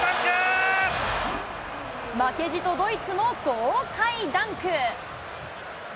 負けじとドイツも豪快ダンク。